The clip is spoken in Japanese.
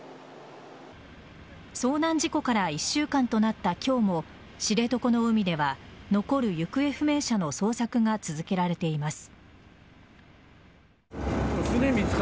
遭難事故から１週間となった今日も知床の海では残る行方不明者の捜索が続けられています。